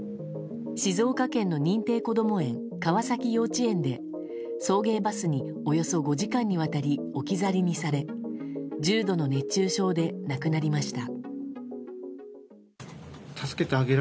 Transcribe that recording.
静岡県の認定こども園川崎幼稚園で送迎バスにおよそ５時間にわたり置き去りにされ重度の熱中症で亡くなりました。